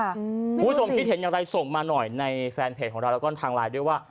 คุณผู้ชมคิดเห็นอย่างไรส่งมาหน่อยในแฟนเพจของเราแล้วก็ทางไลน์ด้วยว่า